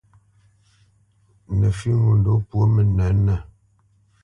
Nǝfʉ́ ŋo ndǒ pwo mǝnǝ̌tnǝ.